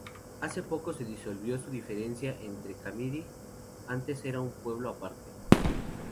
Hace poco se disolvió su diferencia entre Camiri, antes era un pueblo aparte.